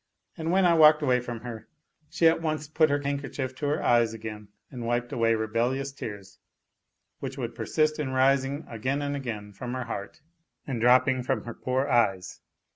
And when I walked away from her, she at once put her hand kerchief to her eyes again and wiped away rebellious tears, which would persist in rising again and again from her heart and dropping from her poor eyes.